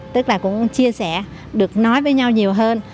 tức là cũng chia sẻ được nói với nhau nhiều hơn